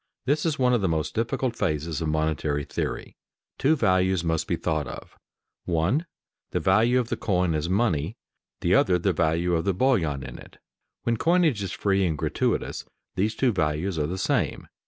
This is one of the most difficult phases of monetary theory. Two values must be thought of: one the value of the coin as money, the other the value of the bullion in it. When coinage is free and gratuitous, these two values are the same.